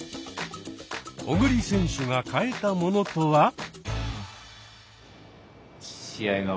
小栗選手が変えたものとは。